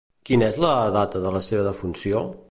Quina és la data de la seva defunció?